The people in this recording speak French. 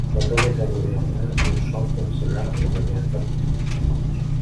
Quand on est un gouverneur, une chambre comme cela est un véritable outil politique.